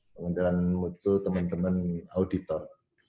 pengendalian mutu teman teman auditor